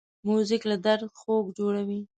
موزیک له درد خوږ جوړوي.